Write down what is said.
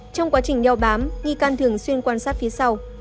trong quá trình đeo bám nghi can thường xuyên quan sát phía sau